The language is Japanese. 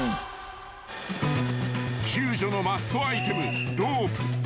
［救助のマストアイテムロープ］